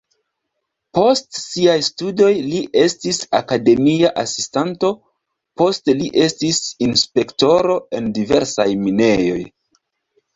Post siaj studoj li estis akademia asistanto, poste li estis inspektoro en diversaj minejoj.